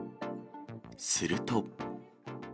すると。